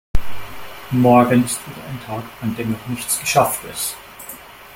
Morgen ist wieder ein Tag, an dem noch nichts geschafft ist.